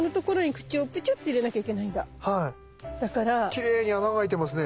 きれいに穴があいてますね。